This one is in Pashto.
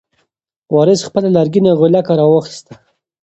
وارث خپله لرګینه غولکه راواخیسته.